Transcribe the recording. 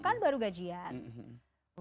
kan baru gajian